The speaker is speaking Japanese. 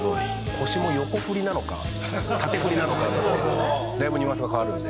腰も横振りなのか縦振りなのかとかでだいぶニュアンスが変わるんで。